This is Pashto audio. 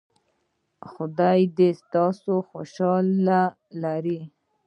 ایا خدای دې تاسو خوشحاله لري؟